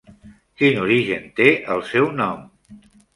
Quin origen té el seu nom?